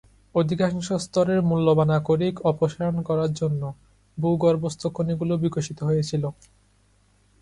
অধিকাংশ স্তরের মূল্যবান আকরিক অপসারণ করার জন্য ভূগর্ভস্থ খনিগুলি বিকশিত হয়েছিল।